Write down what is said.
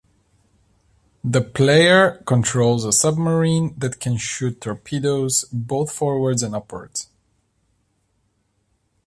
The player controls a submarine that can shoot torpedoes both forwards and upwards.